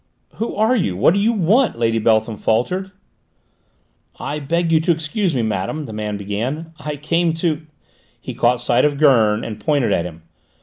"Who are you? What do you want?" Lady Beltham faltered. "I beg you to excuse me, madame," the man began, "I came to " He caught sight of Gurn and pointed to him.